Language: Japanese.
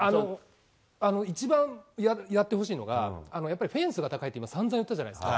一番やってほしいのが、やっぱりフェンスが高いって、さんざん言ったじゃないですか。